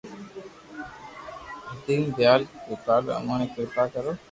ھيدين ديال ڪرپالو امون تو ڪرپا ڪرو